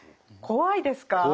怖いです。